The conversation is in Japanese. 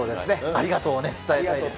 ありがとうを伝えたいですね。